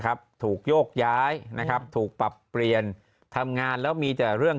ถูกโยกย้ายนะครับถูกปรับเปลี่ยนทำงานแล้วมีแต่เรื่อง